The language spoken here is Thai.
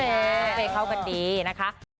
น้องเฟย์เข้ากันดีนะคะ